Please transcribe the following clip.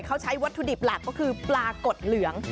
เขาใช้วัตถุดิบหลักก็คือปลากดเหลือง